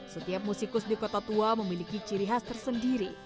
setiap musikus di kota tua memiliki ciri khas tersendiri